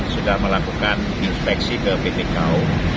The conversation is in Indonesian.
sudah melakukan inspeksi ke pt kau